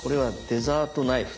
デザートナイフ。